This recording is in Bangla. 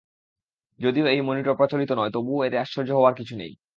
যদিও এই মনিটর প্রচলিত নয়, তবুও এতে আশ্চর্য হওয়ার কিছু নেই।